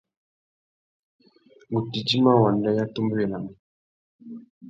Ngu tà idjima wanda i atumbéwénamú.